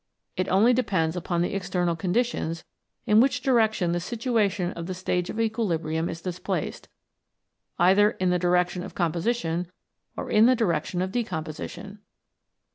It only depends upon the external con ditions in which direction the situation of the stage of equilibrium is displaced, either in the direction of composition or in the direction of decomposition.